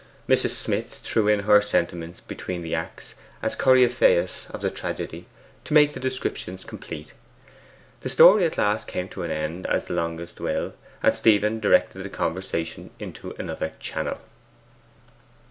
Mrs. Smith threw in her sentiments between the acts, as Coryphaeus of the tragedy, to make the description complete. The story at last came to an end, as the longest will, and Stephen directed the conversation into another channel.